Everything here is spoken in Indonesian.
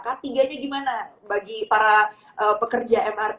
ketiganya gimana bagi para pekerja mrt